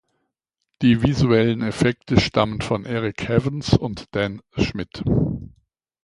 Die Visuellen Effekte stammen von Eric Heavens und Dan Schmit.